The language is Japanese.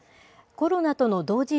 コロナとの同時